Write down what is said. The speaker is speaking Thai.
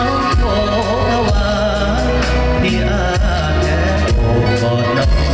น้องส่งฝนตกเจอน้อง